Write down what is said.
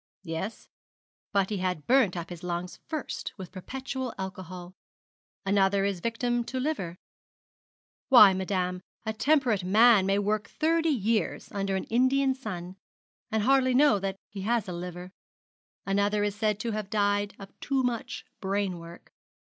Yes, but he had burnt up his lungs first with perpetual alcohol. Another is a victim to liver. Why, madam, a temperate man may work thirty years under an Indian sun, and hardly know that he has a liver. Another is said to have died of too much brain work.